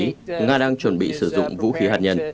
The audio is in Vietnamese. chúng tôi không thấy nga đang chuẩn bị sử dụng vũ khí hạt nhân